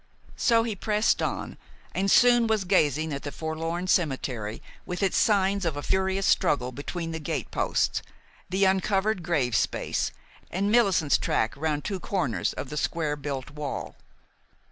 So he pressed on, and soon was gazing at the forlorn cemetery, with its signs of a furious struggle between the gateposts, the uncovered grave space, and Millicent's track round two corners of the square built wall.